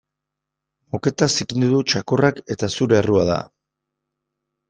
Moketa zikindu du txakurrak eta zure errua da.